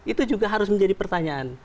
itu juga harus menjadi pertanyaan